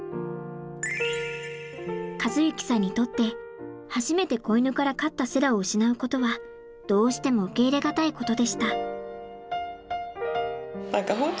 和之さんにとって初めて子犬から飼ったセラを失うことはどうしても受け入れ難いことでした。